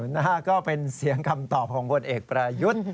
นะฮะก็เป็นเสียงคำตอบของผลเอกประยุทธ์